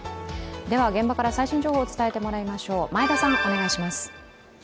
では現場から最新情報を伝えてもらいましょう。